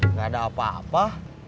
enggak ada apa apa